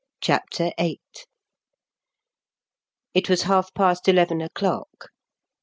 CHAPTER VIII It was half past eleven o'clock.